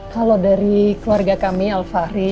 kalau dari keluarga kami al fahri